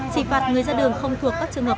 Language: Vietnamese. xịt phạt người ra đường không thuộc các trường hợp